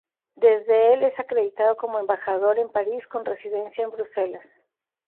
Desde el es acreditado como Embajador en París con residencia en Bruselas.